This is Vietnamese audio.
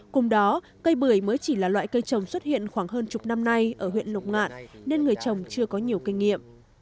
cùng đó cây bưởi mới chỉ là loại cây trồng xuất hiện khoảng hơn chục năm nay ở huyện lục ngạn nên người trồng chưa có nhiều kinh nghiệm